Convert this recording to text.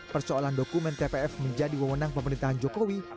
persoalan dokumen tpf menjadi wawonan pemerintahan jokowi